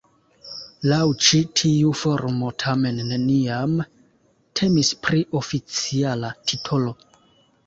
Laŭ ĉi tiu formo tamen neniam temis pri oficiala titolo.